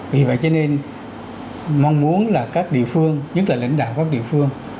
vì vậy cho nên mong muốn là các địa phương nhất là lãnh đạo các địa phương